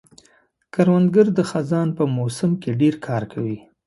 کروندګر د خزان په موسم کې ډېر کار کوي